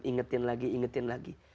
allah berikan alarm ingetin lagi